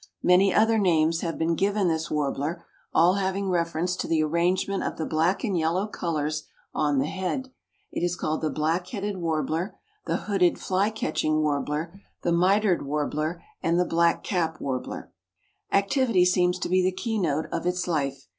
Many other names have been given this warbler, all having reference to the arrangement of the black and yellow colors on the head. It is called the Black headed Warbler, the Hooded Flycatching Warbler, the Mitred Warbler, and the Black cap Warbler. Activity seems to be the keynote of its life.